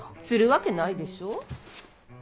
するわけないでしょう。